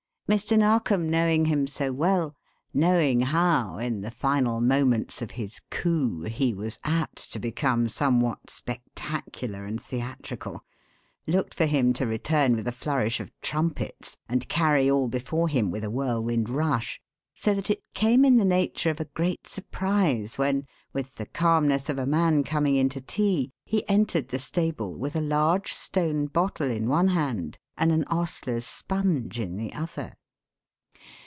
Mr. Narkom knowing him so well, knowing how, in the final moments of his coups, he was apt to become somewhat spectacular and theatrical, looked for him to return with a flourish of trumpets and carry all before him with a whirlwind rush; so that it came in the nature of a great surprise, when with the calmness of a man coming in to tea he entered the stable with a large stone bottle in one hand and an hostler's sponge in the other.